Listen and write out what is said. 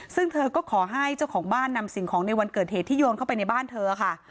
ซึ่งเธอก็ขอให้เจ้าของบ้านนำสิ่งของในวันเกิดเหตุที่โยนเข้าไปในบ้านเธอค่ะ